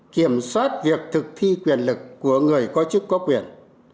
kiểm soát việc thực thi quyền lực của người có chức có quyền